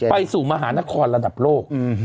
สู่มหานครระดับโลก